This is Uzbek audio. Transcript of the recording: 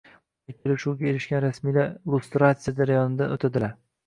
Bunday kelishuvga erishgan rasmiylar lustratsiya jarayonidan o'tadilar